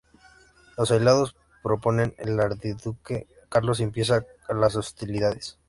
Los aliados proponen el Archiduque Carlos y empiezan las hostilidades.